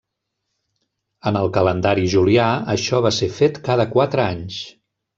En el calendari Julià això va ser fet cada quatre anys.